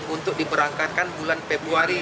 untuk diberangkatkan bulan februari